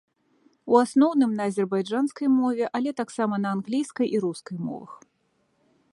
У асноўным на азербайджанскай мове, але таксама на англійскай і рускай мовах.